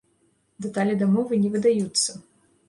Дэталі дамовы не выдаюцца.